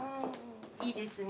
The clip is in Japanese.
いいですね。